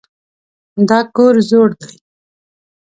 دا کور زوړ دی.